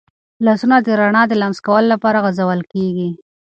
لاسونه د رڼا د لمس کولو لپاره غځول کېږي.